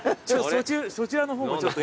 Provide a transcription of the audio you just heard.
そちらの方もちょっと。